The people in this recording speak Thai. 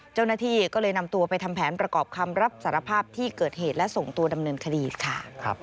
เจ้าหน้าที่ก็เลยนำตัวไปทำแผนประกอบคำรับสารภาพที่เกิดเหตุและส่งตัวดำเนินคดีค่ะ